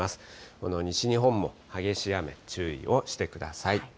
この西日本も激しい雨、注意をしてください。